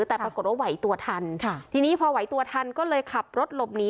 แต่ปรากฏว่าไหวตัวทันค่ะทีนี้พอไหวตัวทันก็เลยขับรถหลบหนี